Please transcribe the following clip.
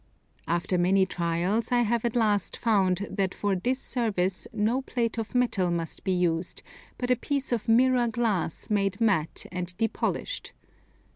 After many trials, I have at last found that for this service no plate of metal must be used, but a piece of mirror glass made matt and depolished.